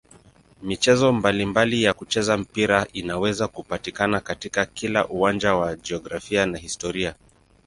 Michezo mbalimbali ya kuchezea mpira inaweza kupatikana katika kila uwanja wa jiografia na historia.